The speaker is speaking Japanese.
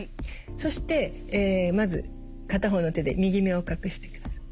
そしてまず片方の手で右目を隠してください。